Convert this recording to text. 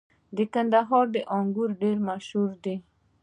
• د کندهار انګور ډېر مشهور دي.